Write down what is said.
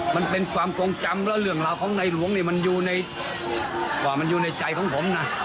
มันเป็นความทรงจำแล้วเรื่องราวของนายหลวงเนี่ยมันอยู่ในใจของผมนะ